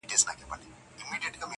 دا څنګه چل دی د ژړا او د خندا لوري,